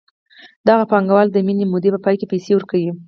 دغه پانګوال د معینې مودې په پای کې پیسې ورکوي